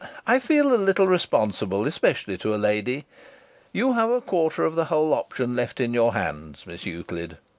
I feel a little responsible, especially to a lady. You have a quarter of the whole option left in your hands, Miss Euclid.